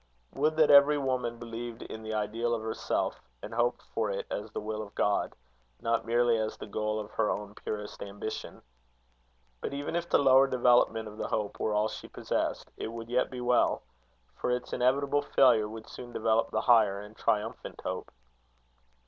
Would that every woman believed in the ideal of herself, and hoped for it as the will of God, not merely as the goal of her own purest ambition! But even if the lower development of the hope were all she possessed, it would yet be well; for its inevitable failure would soon develope the higher and triumphant hope.